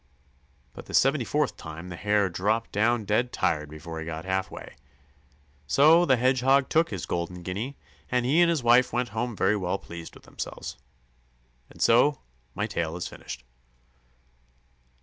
But the seventy fourth time the Hare dropped down dead tired before he got half way. So the Hedgehog took his golden guinea, and he and his wife went home very well pleased with themselves. And so my tale is finished.